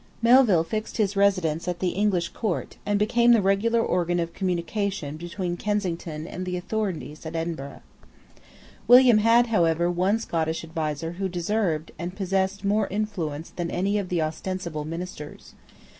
Melville fixed his residence at the English Court, and became the regular organ of communication between Kensington and the authorities at Edinburgh. William had, however, one Scottish adviser who deserved and possessed more influence than any of the ostensible ministers.